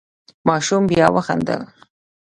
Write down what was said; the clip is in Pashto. ماشوم بیا وخندل.